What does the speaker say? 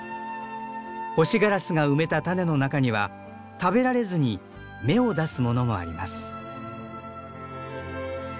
ホシガラスが埋めた種の中には食べられずに芽を出すものもあります。